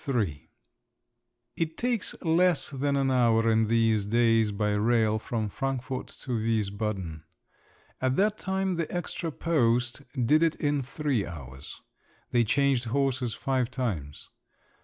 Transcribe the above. XXXIII It takes less than an hour in these days by rail from Frankfort to Wiesbaden; at that time the extra post did it in three hours. They changed horses five times.